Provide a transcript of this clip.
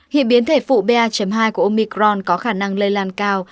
hiện biến thể phụ ba hai của omicron có khả năng lây lan cao